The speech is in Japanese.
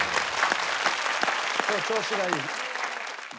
今日調子がいい。